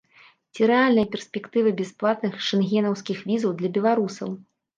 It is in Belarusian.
Ці рэальная перспектыва бясплатных шэнгенаўскіх візаў для беларусаў?